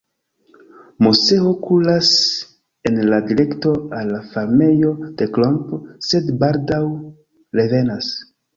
Moseo kuras en la direkto al la farmejo de Klomp, sed baldaŭ revenas.